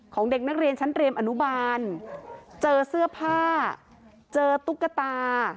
เด็กนักเรียนชั้นเรียมอนุบาลเจอเสื้อผ้าเจอตุ๊กตา